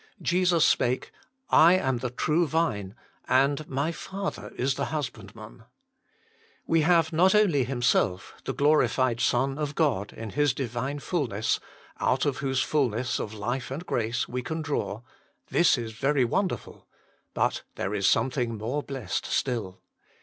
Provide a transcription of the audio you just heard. Jesus spake, "I am the true Vine, and my Father is the Hiisbandman" We have not only Himself, the glorified Son of God, in His divine fulness, out of whose fulness of life and grace we can draw, this is very wonderful, but there is something more blessed still.